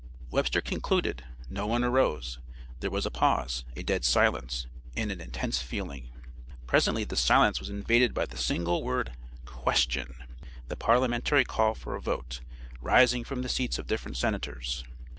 Webster concluded. No one arose. There was a pause, a dead silence, and an intense feeling. Presently the silence was invaded by the single word 'question' the parliamentary call for a vote rising from the seats of different Senators.